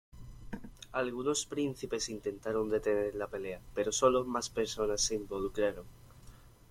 Algunos príncipes intentaron detener la pelea, pero sólo más personas se involucraron.